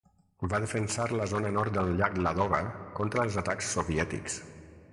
Va defensar la zona al nord del llac Ladoga contra els atacs soviètics.